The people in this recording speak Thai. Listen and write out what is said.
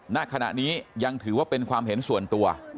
ณขณะนี้ยังถือว่าเป็นความเห็นส่วนตัว